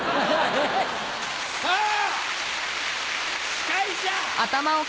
司会者！